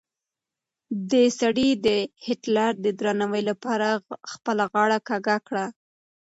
دې سړي د هېټلر د درناوي لپاره خپله غاړه کږه کړه.